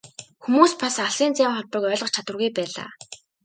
Хүмүүс бас алсын зайн холбоог ойлгох чадваргүй байлаа.